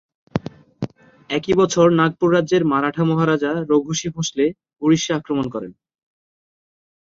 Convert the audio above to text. একই বছর নাগপুর রাজ্যের মারাঠা মহারাজা রঘুজী ভোঁসলে উড়িষ্যা আক্রমণ করেন।